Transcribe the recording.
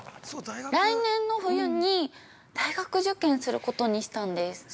◆来年の冬に大学受験することにしたんです。